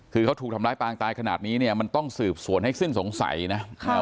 คือเขาถูกทำร้ายปางตายขนาดนี้เนี่ยมันต้องสืบสวนให้สิ้นสงสัยนะ